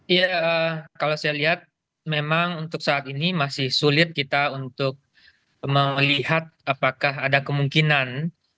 iya kalau saya lihat memang untuk saat ini masih sulit kita untuk melihat apakah ada kemungkinan